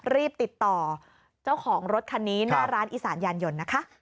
รีบติดต่อเจ้าของรถคันนี้หน้าร้านอีสานยานยนต์นะคะ